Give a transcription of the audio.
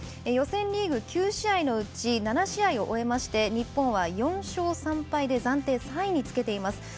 予選リーグ９試合のうち７試合を終えまして日本は４勝３敗で暫定３位につけています。